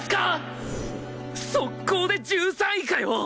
速攻で１３位かよ！